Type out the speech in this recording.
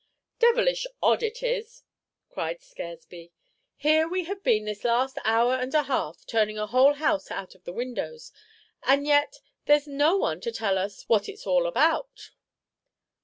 "Devilish odd it is!" cried Scaresby; "here we have been this last hour and a half turning a whole house out of the windows, and yet there's no one to tell us what it's all for, what it 's all about!"